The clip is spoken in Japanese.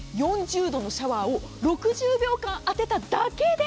４０度のシャワーを６０秒間当てただけで